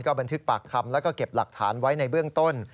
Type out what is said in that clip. บันทึกปากคำแล้วก็เก็บหลักฐานไว้ในเบื้องต้น